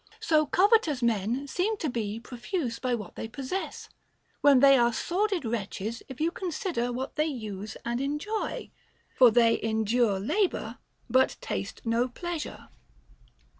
So covetous men seem to be profuse by what they possess, when they are sordid wretches if you consider what they use and enjoy ; for they endure labor, but taste no pleasure.